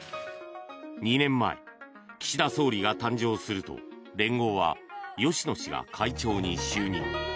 ２年前、岸田総理が誕生すると連合は芳野氏が会長に就任。